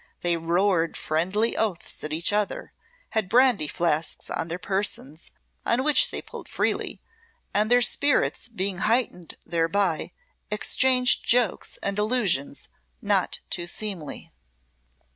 They roared friendly oaths at each other, had brandy flasks on their persons on which they pulled freely, and, their spirits being heightened thereby, exchanged jokes and allusions not too seemly.